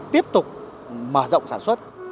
tiếp tục mở rộng sản xuất